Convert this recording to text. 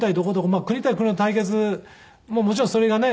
まあ国対国の対決ももちろんそれがね